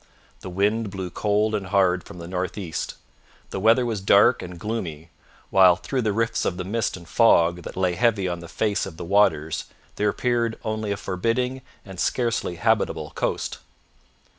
The wind blew cold and hard from the north east. The weather was dark and gloomy, while through the rifts of the mist and fog that lay heavy on the face of the waters there appeared only a forbidding and scarcely habitable coast.